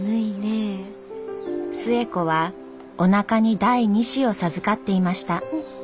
寿恵子はおなかに第２子を授かっていました。